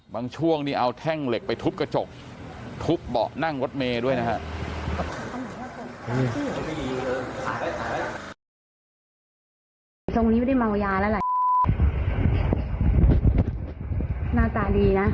ช่วงนี้เอาแท่งเหล็กไปทุบกระจกทุบเบาะนั่งรถเมย์ด้วยนะฮะ